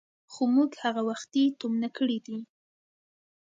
خو موږ هغه وختي تومنه کړي دي.